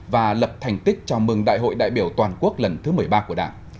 và lập thành tích chào mừng đại hội đại biểu toàn quốc lần thứ một mươi ba của đảng